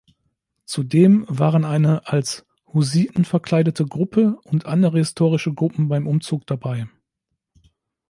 Zudem waren eine als Hussiten verkleidete Gruppe und andere historische Gruppen beim Umzug dabei.